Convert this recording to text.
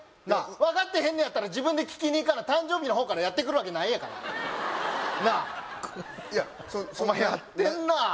なあ分かってへんのやったら自分で聞きに行かな誕生日の方からやってくるわけないんやからなあいやお前やってんな